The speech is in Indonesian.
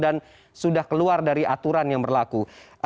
sudah keluar dari aturan yang berlaku